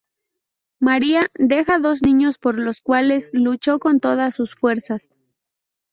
María deja dos niños por los cuales luchó con todas sus fuerzas.